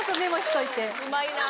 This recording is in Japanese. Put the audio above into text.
うまいなぁ。